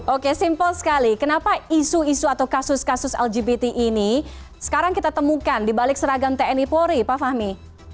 oke simpel sekali kenapa isu isu atau kasus kasus lgbt ini sekarang kita temukan di balik seragam tni polri pak fahmi